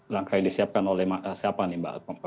langkah yang disiapkan oleh siapa nih mbak